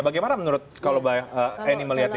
bagaimana menurut kalau mbak eni melihat ini